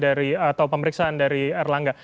atau pemeriksaan dari air langga